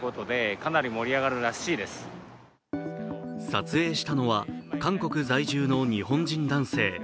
撮影したのは韓国在住の日本人男性。